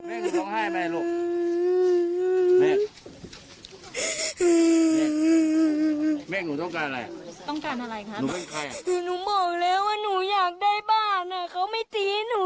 เอาขนาดไหนเอาขนาดไหน